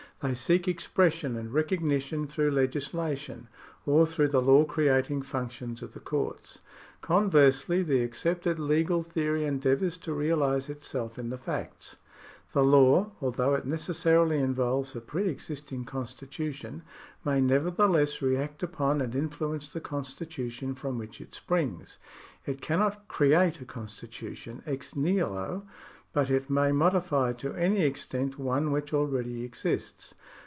They seek expression and recognition through legislation, or through the law creating functions of the courts. Conversely, the accepted legal theory endeavours to realise itself in the facts. The law, although it necessarily involves a pre existing con stitution, may nevertheless react upon and influence the con stitution from which it springs. It cannot create a constitu tion ex nihilo, but it may modify to any extent one which already exists.